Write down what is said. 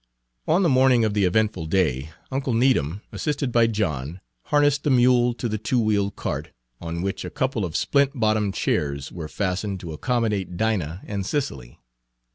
On the morning of the eventful day, uncle Needham, assisted by John, harnessed the mule to the two wheeled cart, on which a Page 157 couple of splint bottomed chairs were fastened to accommodate Dinah and Cicely.